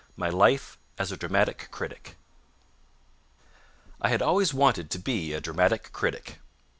MY LIFE AS A DRAMATIC CRITIC I had always wanted to be a dramatic critic.